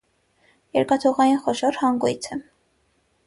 Երկաթուղային խոշոր հանգույց է։